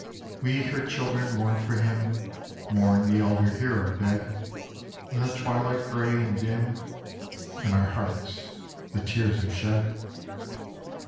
We her children mourn for him, Mourn the elder hero dead ; In the twilight grey and dim In our hearts the tears are shed.